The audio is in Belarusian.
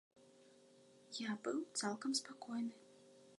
Я быў цалкам спакойны.